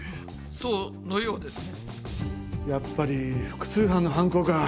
そのようですね。